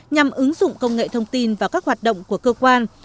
nhằm ứng dụng công nghệ thông tin vào các hoạt động của cơ quan